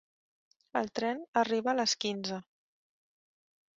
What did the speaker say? El tren arriba a les quinze.